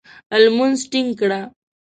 لمونځ ټینګ کړه !